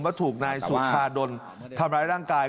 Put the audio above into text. ว่าถูกนายสุภาณ์ดนตร์ทำร้ายร่างกาย